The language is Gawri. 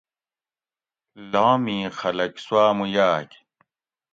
لامی خلک سواۤ مو یاگ